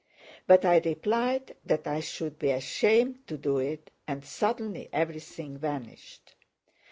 But I replied that I should be ashamed to do it, and suddenly everything vanished.